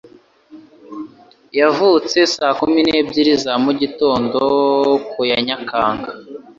Yavutse saa kumi n'ebyiri za mugitondo ku ya Nyakanga.